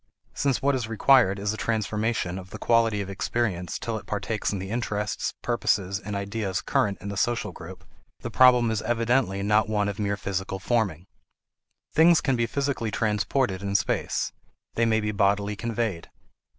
Since what is required is a transformation of the quality of experience till it partakes in the interests, purposes, and ideas current in the social group, the problem is evidently not one of mere physical forming. Things can be physically transported in space; they may be bodily conveyed.